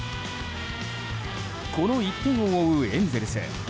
この１点を追うエンゼルス。